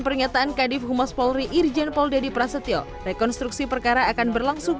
pernyataan kadif humas polri irjen pol dedy prasetyo rekonstruksi perkara akan berlangsung